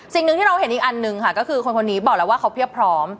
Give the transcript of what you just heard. สิ่งหนึ่งที่เราเห็นอีกอันหนึ่งค่ะก็คือคนคนนี้บอกแล้วว่าเขาเพียบพร้อม